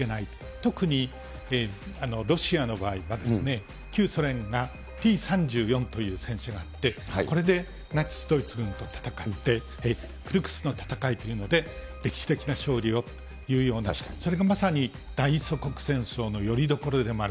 特にロシアの場合は、旧ソ連がＴ３４という戦車があって、これでナチス・ドイツ軍と戦って、クルクスの戦いというので、歴史的な勝利をというような、それがまさに大祖国戦争のよりどころでもある。